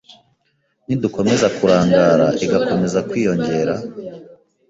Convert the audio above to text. nidukomeza kurangara igakomeza kwiyongera,